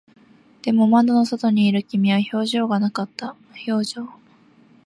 でも、窓の外にいる君は表情がなかった。無表情。